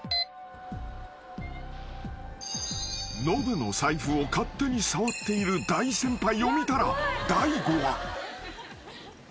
［ノブの財布を勝手に触っている大先輩を見たら大悟は］